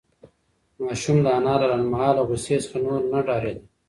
ماشوم د انا له لنډمهاله غوسې څخه نور نه ډارېده.